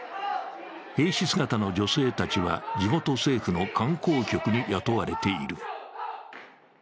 兵士姿の女性たちは地元政府の観光局に雇われている。